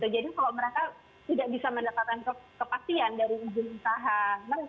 jadi kalau mereka tidak bisa mendapatkan kepastian dari ujung saham